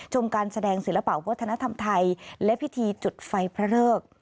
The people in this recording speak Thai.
ชมการแสดงศิลป่าวเพื่อธนธรรมไทยและพิธีจุดไฟพระเลิก